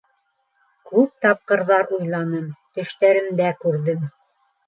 Күп тапҡырҙар уйланым, төштәремдә күрҙем.